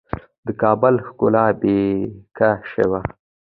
د کابل ښکلا پیکه شوه.